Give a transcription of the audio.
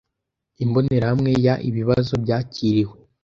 Imbonerahamwe ya Ibibazo byakiriwe